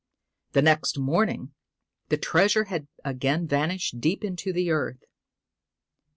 The next morning the treasure had again vanished deep into the earth.